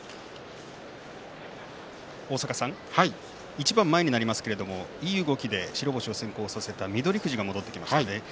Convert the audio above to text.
一番前になりますけれどもいい動きで白星を先行させた翠富士が戻ってきました。